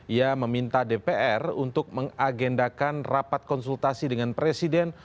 ia meminta dpr untuk mengagendakan rapat konsultasi dengan presiden